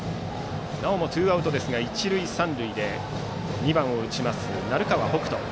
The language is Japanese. なおもツーアウトですが一塁三塁で２番を打ちます鳴川北斗。